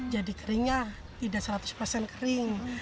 jadi keringnya tidak seratus kering